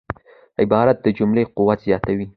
عبارت د جملې قوت زیاتوي.